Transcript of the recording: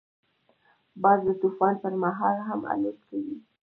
باز د طوفان پر مهال هم الوت کوي